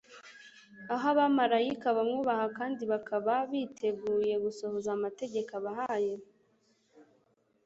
aho abamaraika bamwubaha kandi bakaba biteouye gusohoza amategeko abahaye?